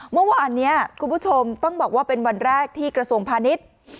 เมื่อวานนี้คุณผู้ชมต้องบอกว่าเป็นวันแรกที่กระทรวงพาณิชย์